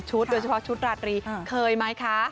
โดยเฉพาะชุดราตรีเคยไหมคะ